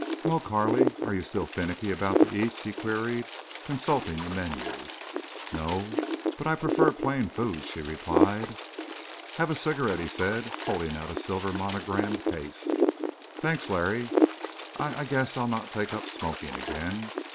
"Well, Carley, are you still finicky about the eats?" he queried, consulting the menu. "No. But I prefer plain food," she replied. "Have a cigarette," he said, holding out his silver monogrammed case. "Thanks, Larry. I—I guess I'll not take up smoking again.